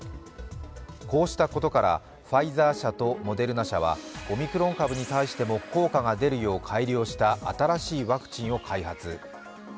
こうしたことから、ファイザー社とモデルナ社はオミクロン株に対しても効果が出るよう改良した新しいワクチンを開発。